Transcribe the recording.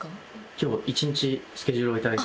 今日一日スケジュールを頂いてたんで。